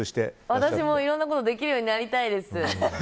私もいろんなことできるようになりたいです。